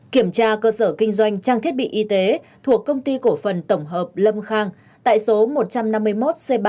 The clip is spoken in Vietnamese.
kiểm tra cơ sở kinh doanh trang thiết bị y tế thuộc công ty cổ phần tổng hợp lâm khang tại số một trăm năm mươi một c ba